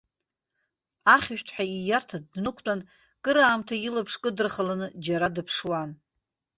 Ахьышәҭҳәа ииарҭа днықәтәан, кыраамҭа илаԥш кыдырхаланы, џьара дыԥшуан.